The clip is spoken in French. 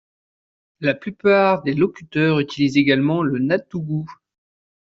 La plupart des locuteurs utilisent également le natügu.